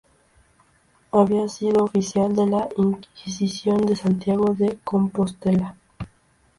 Había sido oficial de la Inquisición de Santiago de Compostela.